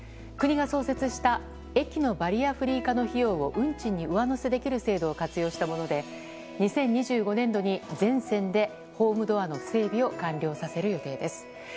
国が創設した駅のバリアフリー化の費用を運賃に上乗せできる制度を活用したもので２０２５年度に、全線でホームドアの整備を完了させる予定です。